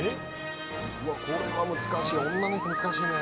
うわこれは難しい女の人難しいね。